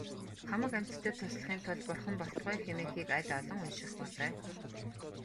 Хамаг амьтдад туслахын тулд бурхан болтугай хэмээхийг аль олон унших болой.